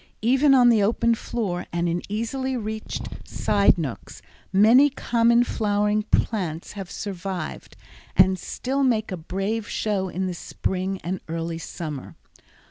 Even on the open floor and in easily reached side nooks many common flowering plants have survived and still make a brave show in the spring and early summer.